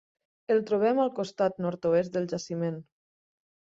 El trobem al costat nord-oest del jaciment.